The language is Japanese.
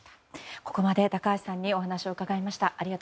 ここまで高橋さんにお話を伺いました。